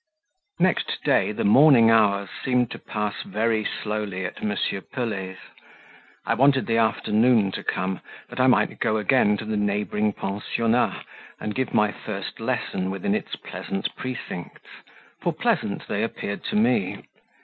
NEXT day the morning hours seemed to pass very slowly at M. Pelet's; I wanted the afternoon to come that I might go again to the neighbouring pensionnat and give my first lesson within its pleasant precincts; for pleasant they appeared to me.